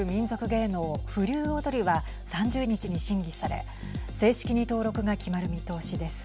芸能風流踊は３０日に審議され正式に登録が決まる見通しです。